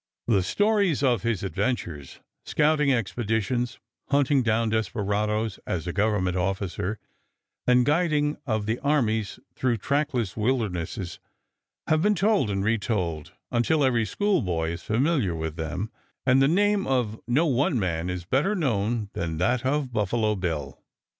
The stories of his adventures, scouting expeditions, hunting down desperadoes as a Government officer, and guiding of the armies through trackless wildernesses have been told and retold until every school boy is familiar with them, and the name of no one man is better known than that of Buffalo Bill.